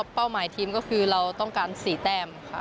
เป้าหมายทีมก็คือเราต้องการ๔แต้มค่ะ